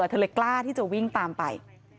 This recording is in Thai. เธอเลยกล้าที่จะวิ่งตามไป